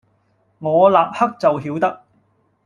我立刻就曉得，